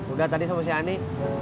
udah tadi sama si ani